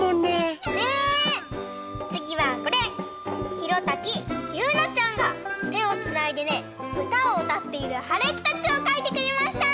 ひろたきゆうなちゃんがてをつないでねうたをうたっているはるきたちをかいてくれました！